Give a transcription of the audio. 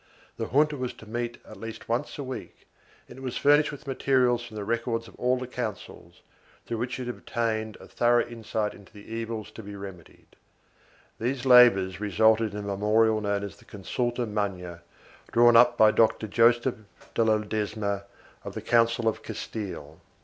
The Junta was to meet at least once a week and it was furnished with materials from the records of all the Councils, through which it obtained a thorough insight into the evils to be remedied. These labors resulted in a memorial known as the Consulta Magna, drawn up by Doctor Joseph de Ledesma of the Council of Castile.